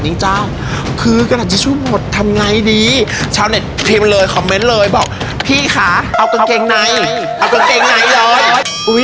นี่คือกระดับจะช่วยหมดทำไงดีเช้าเน็ตพิมพ์เลยคอมเม้ตเลยบอกพี่คะเอากางเกงในเอากางเกงในเลย